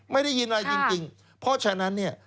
ไม่ได้ยินอะไรจริงเพราะฉะนั้นเนี่ย